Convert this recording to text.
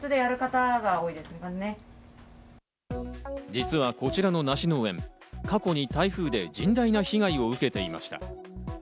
実はこちらの梨農園、過去に台風で甚大な被害を受けていました。